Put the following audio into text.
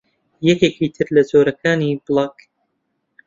یەکێکی ترە لە جۆرەکانی بڵاگ